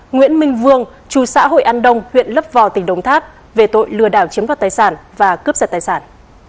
nguyễn minh vương chú xã hội an đông huyện lấp vò tỉnh đồng tháp về tội lừa đảo chiếm đoạt tài sản và cướp giật tài sản